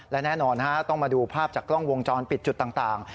และแน่นอนต้องมาดูภาพจากกล้องวงจรปิดจุดต่าง